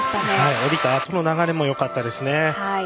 降りたあとの流れもよかったです。